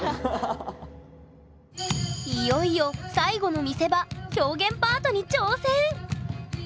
いよいよ最後の見せ場表現パートに挑戦！